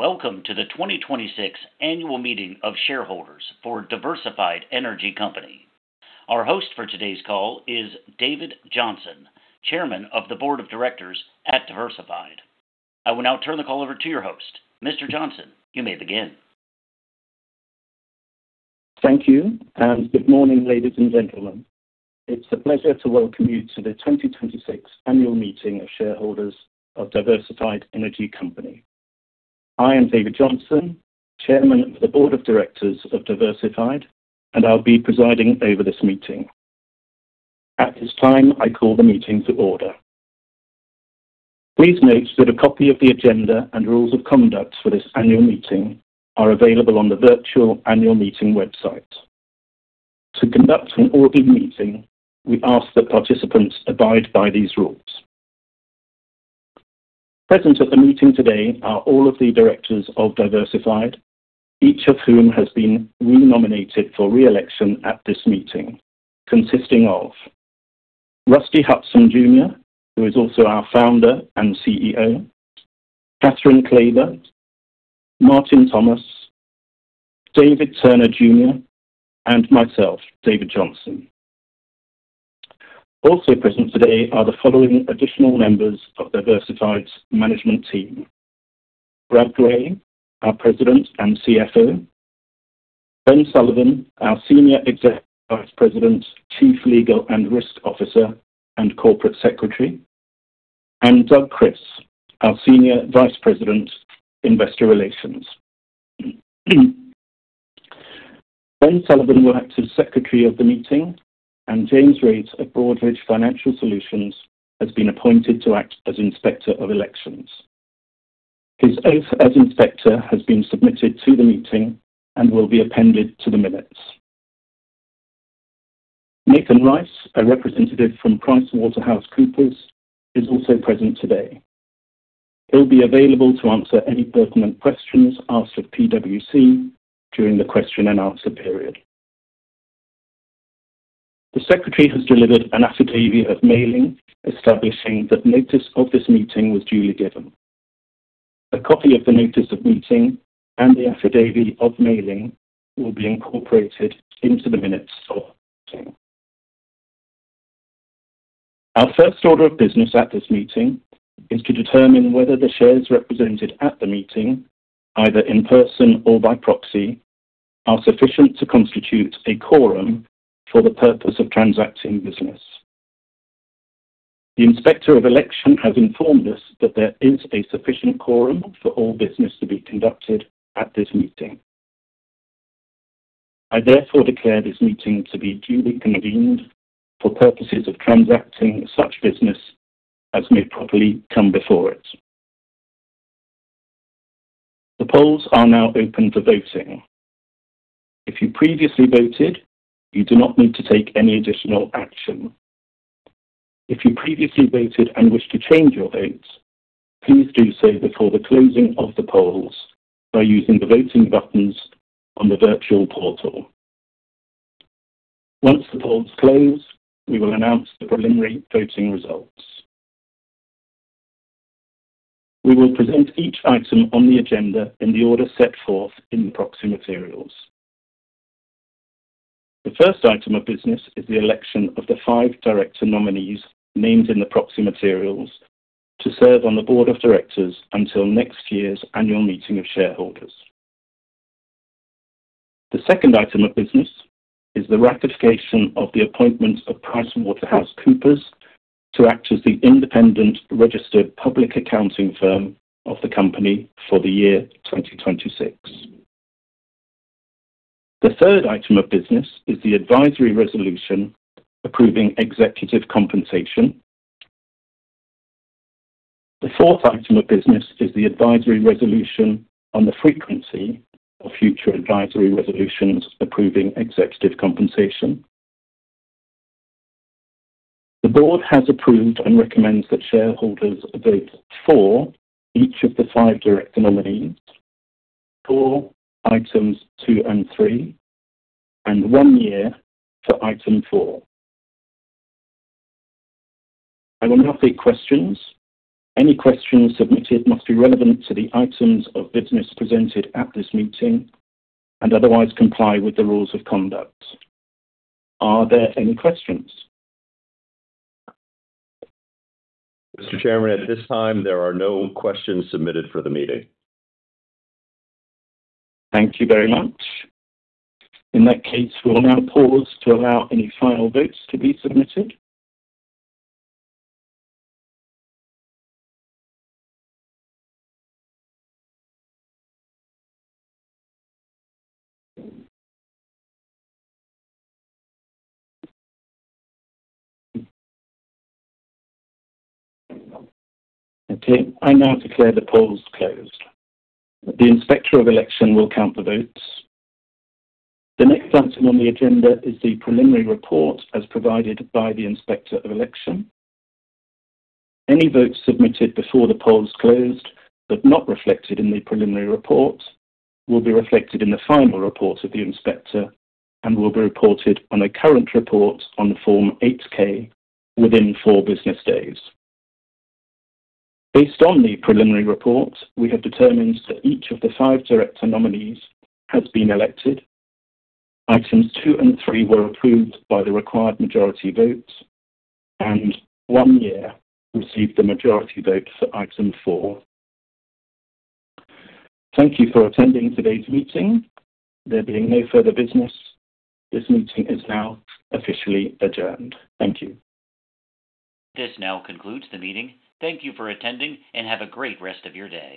Welcome to the 2026 annual meeting of shareholders for Diversified Energy Company. Our host for today's call is David Johnson, Chairman of the Board of Directors at Diversified. I will now turn the call over to your host. Mr. Johnson, you may begin. Thank you, and good morning, ladies and gentlemen. It's a pleasure to welcome you to the 2026 annual meeting of shareholders of Diversified Energy Company. I am David Johnson, Chairman of the board of directors of Diversified, and I'll be presiding over this meeting. At this time, I call the meeting to order. Please note that a copy of the agenda and rules of conduct for this annual meeting are available on the virtual annual meeting website. To conduct an ordered meeting, we ask that participants abide by these rules. Present at the meeting today are all of the directors of Diversified, each of whom has been re-nominated for re-election at this meeting, consisting of Rusty Hutson Jr., who is also our founder and CEO, Kathryn Klaber, Martin Thomas, David Turner Jr., and myself, David Johnson. Also present today are the following additional members of Diversified's management team. Brad Gray, our President and CFO, Ben Sullivan, our Senior Executive Vice President, Chief Legal and Risk Officer, and Corporate Secretary, and Doug Kris, our Senior Vice President, Investor Relations. Ben Sullivan will act as secretary of the meeting, and James Reeds of Broadridge Financial Solutions has been appointed to act as Inspector of Elections. His oath as inspector has been submitted to the meeting and will be appended to the minutes. Nathan Rice, a representative from PricewaterhouseCoopers, is also present today. He'll be available to answer any pertinent questions asked of PwC during the question and answer period. The secretary has delivered an affidavit of mailing establishing that notice of this meeting was duly given. A copy of the notice of meeting and the affidavit of mailing will be incorporated into the minutes of the meeting. Our first order of business at this meeting is to determine whether the shares represented at the meeting, either in person or by proxy, are sufficient to constitute a quorum for the purpose of transacting business. The Inspector of Elections has informed us that there is a sufficient quorum for all business to be conducted at this meeting. I therefore declare this meeting to be duly convened for purposes of transacting such business as may properly come before it. The polls are now open for voting. If you previously voted, you do not need to take any additional action. If you previously voted and wish to change your vote, please do so before the closing of the polls by using the voting buttons on the virtual portal. Once the polls close, we will announce the preliminary voting results. We will present each item on the agenda in the order set forth in the proxy materials. The first item of business is the election of the 5 director nominees named in the proxy materials to serve on the board of directors until next year's Annual Meeting of Shareholders. The second item of business is the ratification of the appointment of PricewaterhouseCoopers to act as the independent registered public accounting firm of the company for the year 2026. The third item of business is the advisory resolution approving executive compensation. The fourth item of business is the advisory resolution on the frequency of future advisory resolutions approving executive compensation. The board has approved and recommends that shareholders vote for each of the five director nominees for items two and three, and one year for item four. I will now take questions. Any questions submitted must be relevant to the items of business presented at this meeting and otherwise comply with the rules of conduct. Are there any questions? Mr. Chairman, at this time, there are no questions submitted for the meeting. Thank you very much. In that case, we will now pause to allow any final votes to be submitted. Okay, I now declare the polls closed. The Inspector of Elections will count the votes. The next item on the agenda is the preliminary report as provided by the Inspector of Elections. Any votes submitted before the polls closed but not reflected in the preliminary report will be reflected in the final report of the inspector and will be reported on a current report on Form 8-K within four business days. Based on the preliminary report, we have determined that each of the five director nominees has been elected. Items two and three were approved by the required majority vote, and one year received the majority vote for item four. Thank you for attending today's meeting. There being no further business, this meeting is now officially adjourned. Thank you. This now concludes the meeting. Thank you for attending, and have a great rest of your day.